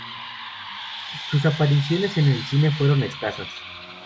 Sus apariciones en el cine fueron escasas.